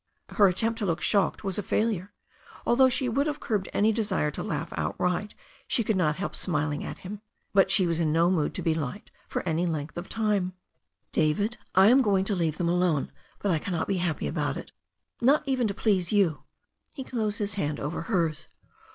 Her attempt to look shocked was a failure. Although she would have curbed any desire to laugh outright, she could not help smiling at him. But she was in no mood to be light for any length of time. iTHE STORY OF A NEW ZEALAND RIVER 355 "David, I am going to leave them alone, but I cannot be happy about it, not even to please you." He closed his hand over hers.